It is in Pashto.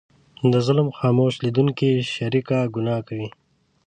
د ظلم خاموش لیدونکی شریکه ګناه کوي.